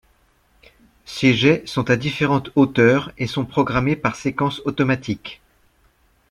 Ces jets sont à différentes hauteur et sont programmés par séquence automatique.